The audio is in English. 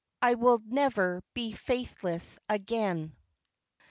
"I WILL NEVER BE FAITHLESS AGAIN."